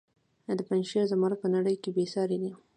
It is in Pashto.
د پنجشیر زمرد په نړۍ کې بې ساري دي